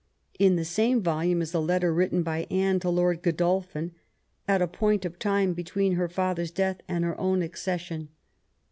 In the same volume is a letter written by Anne to Lor3 Gbdolphin " at a point of time between her father's death and her own accession."